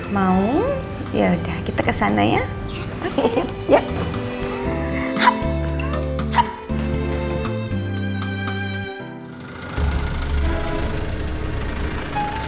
mau yaudah kita kesana ya yuk